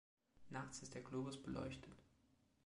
Nachts ist der Globus beleuchtet.